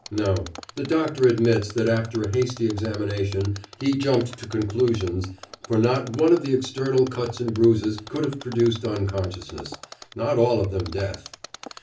No; the doctor admits that after a hasty examination he jumped to conclusions, for not one of the external cuts and bruises could have produced unconsciousness not all of them death.